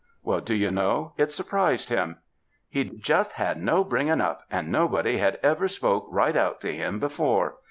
Well, do you know, it surprised him? He'd just had no bringing up and nobody had ever spoke right out to him be fore.